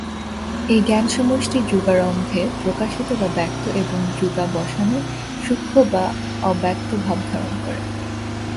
এই জ্ঞানসমষ্টি যুগারম্ভে প্রকাশিত বা ব্যক্ত এবং যুগাবসানে সূক্ষ্ম বা অব্যক্ত ভাব ধারণ করে।